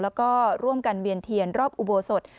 แล้วก็ร่วมกันเวียนเทียนรอบอุโบสถ